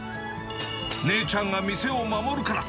姉ちゃんが店を守るから。